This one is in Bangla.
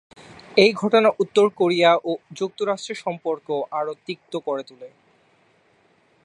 এই ঘটনা উত্তর কোরিয়া ও যুক্তরাষ্ট্রের সম্পর্ক আরও তিক্ত করে তোলে।